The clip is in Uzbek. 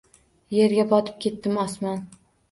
Yerga botib ketdim osmon